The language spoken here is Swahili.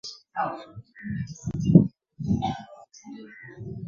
Baadhi ya nchi hukuza mifumo mbadala kukusanya maji machafu